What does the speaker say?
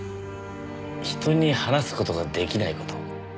人に話す事が出来ない事？